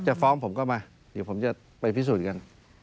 ฟ้องผมก็มาเดี๋ยวผมจะไปพิสูจน์กัน